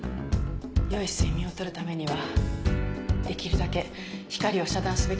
良い睡眠をとるためにはできるだけ光を遮断すべきなのよ。